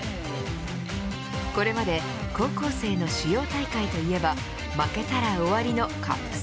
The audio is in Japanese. これまで高校生の主要大会といえば負けたら終わりのカップ戦。